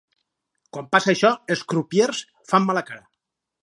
Quan passa això els crupiers fan mala cara.